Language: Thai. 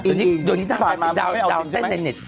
อิงอิงโดยนี้น่าไปดาวน์เต้นในเน็ต